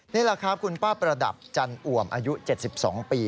นี่แหละครับคุณป้าประดับจันอ่วมอายุ๗๒ปี